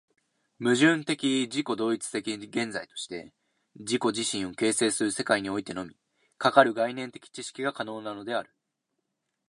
矛盾的自己同一的現在として自己自身を形成する世界においてのみ、かかる概念的知識が可能なのである。